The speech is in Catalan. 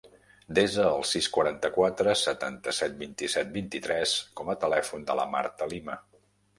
Desa el sis, quaranta-quatre, setanta-set, vint-i-set, vint-i-tres com a telèfon de la Marta Lima.